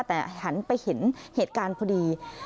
แต่หันไปเห็นเหตุการณ์พอดี